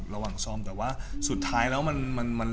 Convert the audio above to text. ระหว่างซ่อมแต่ว่าสุดท้ายแล้วมัน